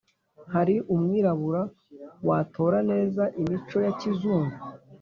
hari umwirabura watora neza imico ya kizungu